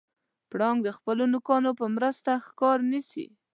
پړانګ د خپلو نوکانو په مرسته ښکار نیسي.